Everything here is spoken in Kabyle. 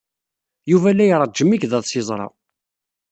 Yuba la iṛejjem igḍaḍ s yeẓra.